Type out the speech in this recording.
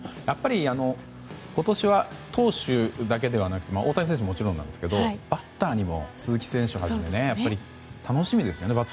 やっぱり今年は投手だけではなくて大谷選手ももちろんなんですけどバッターにも鈴木選手がいて楽しみですよね。